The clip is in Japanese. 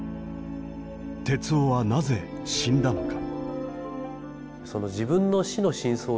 徹生はなぜ死んだのか。